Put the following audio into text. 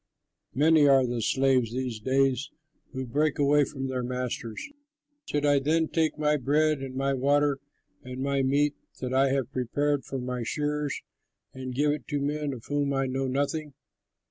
Many are the slaves these days who break away from their masters! Should I then take my bread and my water and my meat that I have prepared for my shearers and give it to men of whom I know nothing?"